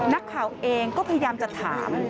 นักข่าวเองก็พยายามจะถาม